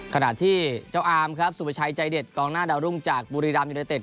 ขณะที่เจ้าอามครับสุประชัยใจเด็ดกองหน้าดาวรุ่งจากบุรีรัมยูไนเต็